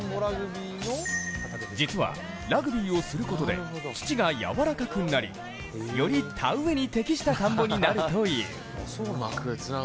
実は、ラグビーをすることで土が柔らかくなりより田植えに適した田んぼになるという。